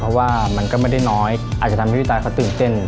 เพราะว่ามันก็ไม่ได้น้อยอาจจะทำให้พี่ตายเขาตื่นเต้น